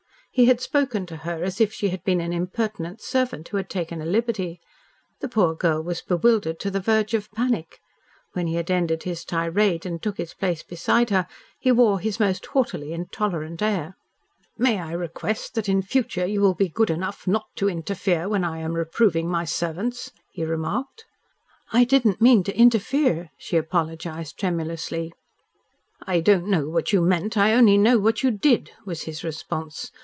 He had spoken to her as if she had been an impertinent servant who had taken a liberty. The poor girl was bewildered to the verge of panic. When he had ended his tirade and took his place beside her he wore his most haughtily intolerant air. "May I request that in future you will be good enough not to interfere when I am reproving my servants," he remarked. "I didn't mean to interfere," she apologised tremulously. "I don't know what you meant. I only know what you did," was his response.